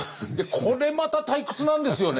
これまた退屈なんですよね。